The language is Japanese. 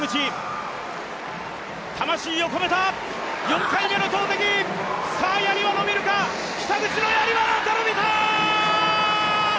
魂を込めた４回目の投てき、やりは伸びるか、北口のやりはまた伸びた！